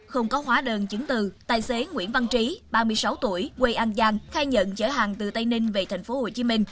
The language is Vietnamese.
không có hóa đơn chứng từ tài xế nguyễn văn trí ba mươi sáu tuổi quê an giang khai nhận chở hàng từ tây ninh về tp hcm